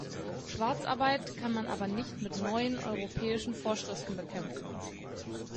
Schwarzarbeit kann man aber nicht mit neuen, europäischen Vorschriften bekämpfen.